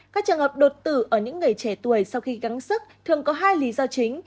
các trường hợp đột tử ở những người trẻ tuổi sau khi gắn sức thường có hai lý do chính